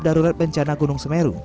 darurat bencana gunung semeru